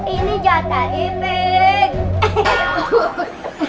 ini jatahnya bu